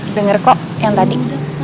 denger kok yang tadi